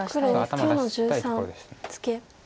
頭出したいところです。